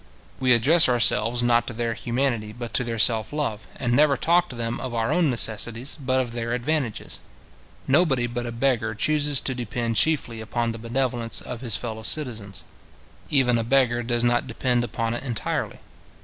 We address ourselves, not to their humanity, but to their self love, and never talk to them of our own necessities, but of their advantages. Nobody but a beggar chooses to depend chiefly upon the benevolence of his fellow citizens. Even a beggar does not depend upon it entirely.